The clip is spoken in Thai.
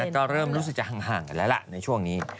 ก็เริ่มรู้สึกจะห่างกันแล้วล่ะในช่วงนี้